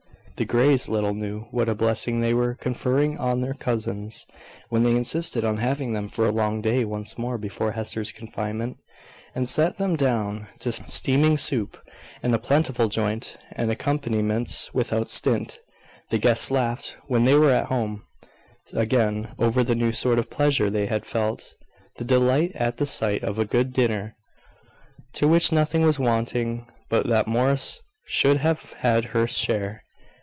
The Greys little knew what a blessing they were conferring on their cousins, when they insisted on having them for a long day once more before Hester's confinement, and set them down to steaming soup, and a plentiful joint, and accompaniments without stint. The guests laughed, when they were at home again, over the new sort of pleasure they had felt, the delight at the sight of a good dinner, to which nothing was wanting but that Morris should have had her share.